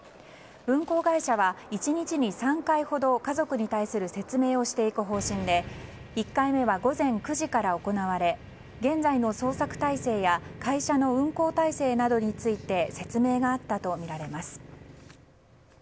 運航会社は１日に３回ほど家族に対する説明をしてく方針で１回目は午前９時から行われ現在の捜索態勢や会社の運航体制などについて説明があったとみられます。